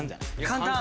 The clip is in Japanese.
簡単。